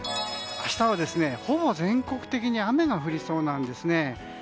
明日はほぼ全国的に雨が降りそうなんです。